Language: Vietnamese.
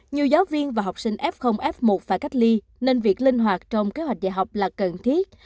nhiều giáo viên và học sinh f f một phải cách ly nên việc linh hoạt trong kế hoạch dạy học là cần thiết